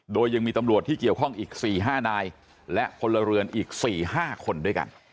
โดยยังมีตำรวจที่เกี่ยวข้องอีก๔๕นายและพลเรือนอีก๔๕คนด้วยกัน